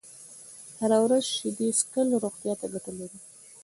هره ورځ شيدې څښل روغتيا ته گټه لري